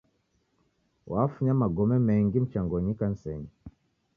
Wafunya magome mengi mchangonyi ikanisenyi